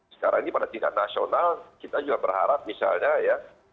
sekarang ini pada tingkat nasional kita juga berharap misalnya ya